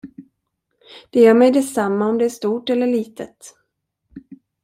Det gör mig detsamma om det är stort eller litet.